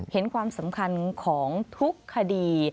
เห็นความสำคัญของทุกคดี